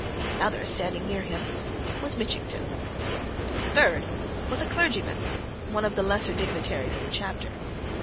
Another, standing near him, was Mitchington. A third was a clergyman one of the lesser dignitaries of the Chapter.